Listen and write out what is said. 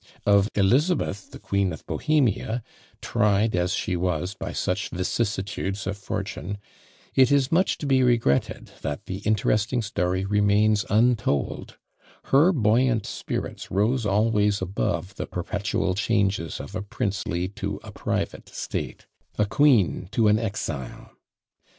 Of Elizabeth, the Queen of Bohemia, tried as she was by such vicissitudes of fortune, it is much to be regretted that the interesting story remains untold; her buoyant spirits rose always above the perpetual changes of a princely to a private state a queen to an exile!